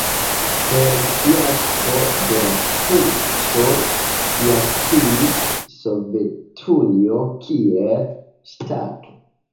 Per fiasko de la puĉo fiaskis Sovetunio kiel ŝtato.